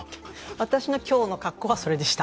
私の今日の格好はそれでした。